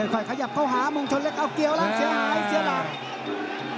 ค่อยขยับเข้าหาเมืองชนเล็กเอาเกี่ยวแล้วเสียหายเสียหลัก